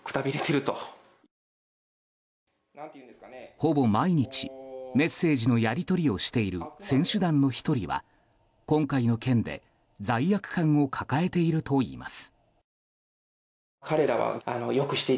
ほぼ毎日メッセージのやり取りをしている選手団の１人は、今回の件で罪悪感を抱えているといいます。